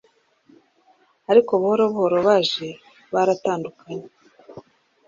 ariko buhoro buhoro baje baratandukanye